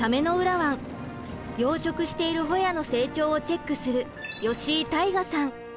養殖しているホヤの成長をチェックする吉井大河さん